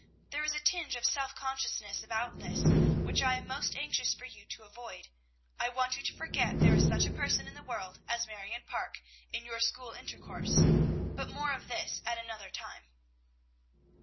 There is a tinge of self consciousness about this, which I am most anxious for you to avoid. I want you to forget there is such a person in the world as Marion Parke, in your school intercourse; but more of this at another time."